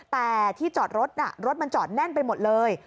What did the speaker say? แต่ที่จอดรถน่ะรถมันจอดแน่นไปหมดเลย